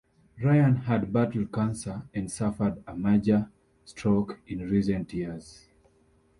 Ryan had battled cancer and suffered a major stroke in recent years.